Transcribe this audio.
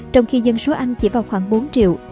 trong khi dân số anh chỉ vào khoảng bốn triệu